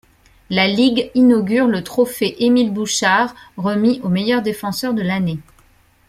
La ligue inaugure le Trophée Émile Bouchard remis au meilleur défenseur de l'année.